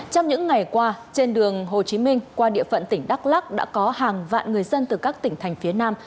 trong những ngày qua trên đường hồ chí minh qua địa phận tỉnh đắk lắc đã có hàng vạn người dân từ các tỉnh thành phía nam